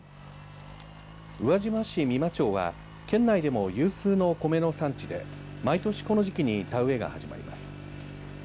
宇和島市三間町は県内でも有数の米の産地で毎年この時期に田植えが始まります。